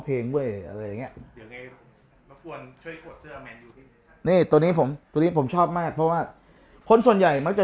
เพลงเว้ยตัวนี้ผมตัวนี้ผมชอบมากเพราะว่าคนส่วนใหญ่มักจะ